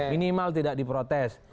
minimal tidak diprotes